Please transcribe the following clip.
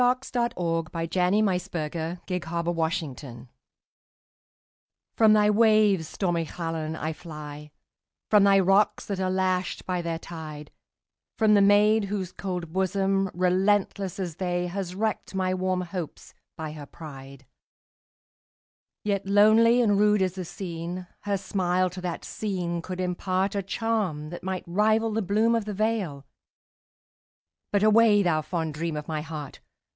1876–79. Wales: Llannon Song By Anna Seward (1747–1809) FROM thy waves, stormy Llannon, I fly; From thy rocks, that are lashed by their tide; From the maid whose cold bosom, relentless as they, Has wrecked my warm hopes by her pride! Yet lonely and rude as the scene, Her smile to that scene could impartA charm that might rival the bloom of the vale,—But away, thou fond dream of my heart!